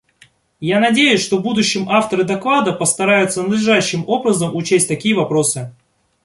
Я надеюсь, что в будущем авторы доклада постараются надлежащим образом учесть такие вопросы.